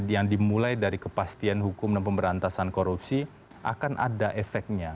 yang dimulai dari kepastian hukum dan pemberantasan korupsi akan ada efeknya